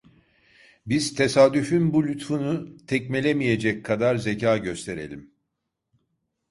Biz tesadüfün bu lütfunu tekmelemeyecek kadar zekâ gösterelim…